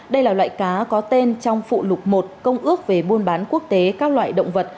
đây là loại cá có tên trong phụ lục một công ước về buôn bán quốc tế các loại động vật